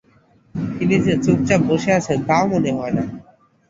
তিনি যে চুপচাপ বসে আছেন তাও মনে হয় না।